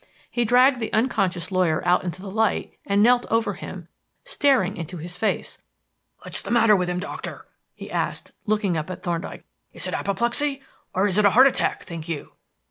He dragged the unconscious lawyer out into the light and knelt over him, staring into his face. "What's the matter with him, Doctor?" he asked, looking up at Thorndyke. "Is it apoplexy? Or is it a heart attack, think you?"